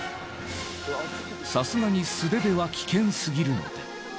さすがに素手では危険すぎるので。